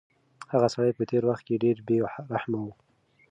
هغه سړی په تېر وخت کې ډېر بې رحمه و.